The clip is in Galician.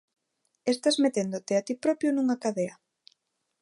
Estás meténdote a ti propio nunha cadea.